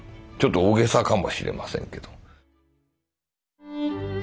ちょっと大げさかもしれませんけど。